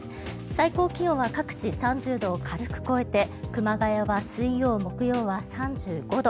最高気温は各地、３０度を軽く超えて熊谷は水曜、木曜は３５度。